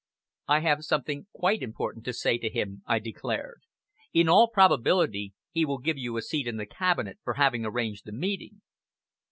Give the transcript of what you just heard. "I have something quite important to say to him," I declared. "In all probability, he will give you a seat in the Cabinet for having arranged the meeting."